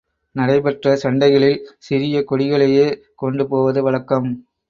நடைபெற்ற சண்டைகளில் சிறிய கொடிகளையே கொண்டு போவது வழக்கம்.